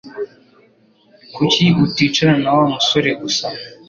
Kuki uticarana na Wa musore gusa